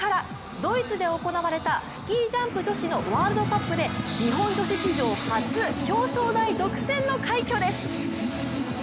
ドイツで行われたスキージャンプ女子のワールドカップで日本女子史上初、表彰台独占の快挙です。